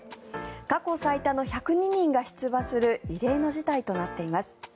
過去最多の１０２人が出馬する異例の事態となっています。